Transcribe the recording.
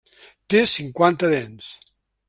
Té cinquanta dents.